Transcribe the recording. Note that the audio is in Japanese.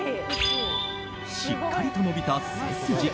しっかりと伸びた背筋。